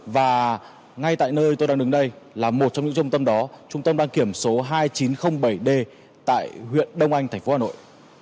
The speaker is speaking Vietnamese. và ngay tại nơi tôi đang đứng đây là một trong những trung tâm đó trung tâm đăng kiểm số hai nghìn chín trăm linh bảy d tại huyện đông anh tp hà nội